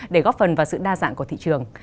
để góp phần vào sự đa dạng của thị trường